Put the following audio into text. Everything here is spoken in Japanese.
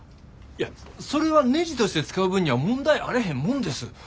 いやそれはねじとして使う分には問題あれへんもんです。